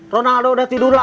ronaldo udah tidur lagi